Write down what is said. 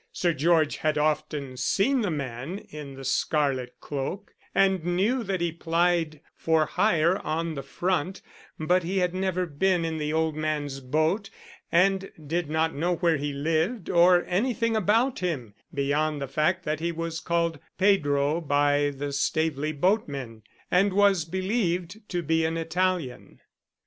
Sir George had often seen the man in the scarlet cloak, and knew that he plied for hire on the front, but he had never been in the old man's boat, and did not know where he lived or anything about him beyond the fact that he was called Pedro by the Staveley boatmen, and was believed to be an Italian.